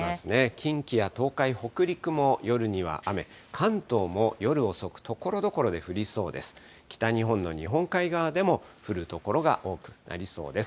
近畿や東海、北陸も夜には雨、関東も夜遅く、ところどころで降りそうです。